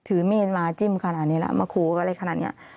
ถือมีดมาจิ้มขนาดนี้แล้วมาขู่อะไรขนาดนี้